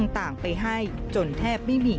ต่างไปให้จนแทบไม่มี